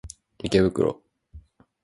池袋